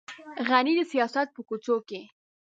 غني د سیاست په کوڅو کې.